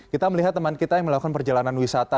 kita melihat teman kita yang melakukan perjalanan wisata